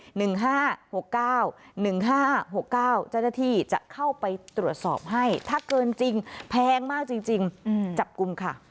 เจ้าหน้าที่จะเข้าไปตรวจสอบให้ถ้าเกินจริงแพงมากจริงจับกลุ่มค่ะ